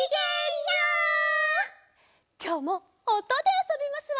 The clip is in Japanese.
きょうもおとであそびますわよ。